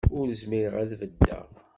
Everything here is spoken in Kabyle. Ur zmireɣ ad beddeɣ.